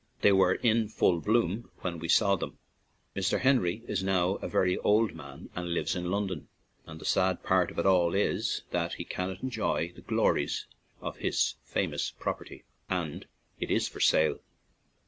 They were in full bloom when we saw them. Mr. Henry is now a very old man and lives in London; and the sad part of it all is that he cannot enjoy the glories of his famous property, and it is for sale.